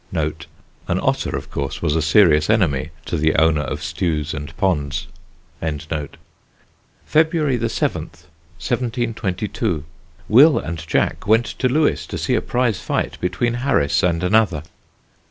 [An otter, of course, was a serious enemy to the owner of stews and ponds.] "February 7th, 1722. Will and Jack went to Lewes to see a prize fight between Harris and another.